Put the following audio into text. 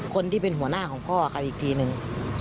คนที่เป็นหัวหน้าของพ่อเขาอีกทีนึง